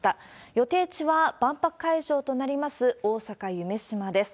予定地は、万博会場となります大阪・夢洲です。